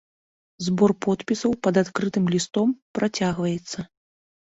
Збор подпісаў пад адкрытым лістом працягваецца.